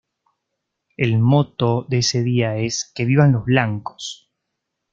El motto de ese día es: Que vivan los Blancos!